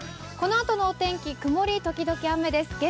このあとのお天気、曇り時々雨です